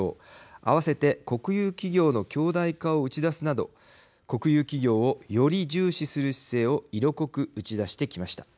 併せて国有企業の強大化を打ち出すなど国有企業をより重視する姿勢を色濃く打ち出してきました。